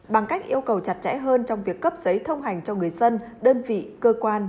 bằng cách yêu cầu chặt chẽ hơn trong việc cấp giấy thông hành cho người dân đơn vị cơ quan